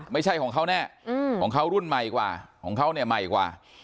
ไม่ใช่ของเขาแน่ของเขารุ่นใหม่กว่าของเขาเนี่ยใหม่กว่า